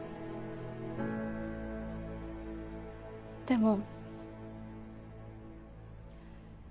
でも。